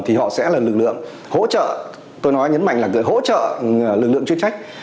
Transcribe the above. thì họ sẽ là lực lượng hỗ trợ tôi nói nhấn mạnh là hỗ trợ lực lượng chuyên trách